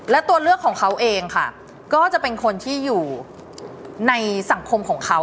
และตัวเลือกของเขาเองค่ะก็จะเป็นคนที่อยู่ในสังคมของเขา